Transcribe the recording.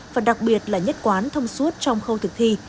và đặc biệt là nhất quán thông suốt trong khâu thực thi